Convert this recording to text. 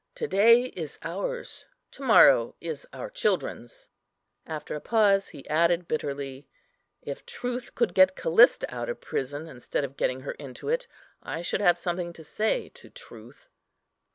To day is ours, to morrow is our children's." After a pause, he added, bitterly, "If truth could get Callista out of prison, instead of getting her into it, I should have something to say to truth."